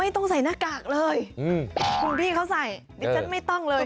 ต้องใส่หน้ากากเลยคุณพี่เขาใส่ดิฉันไม่ต้องเลย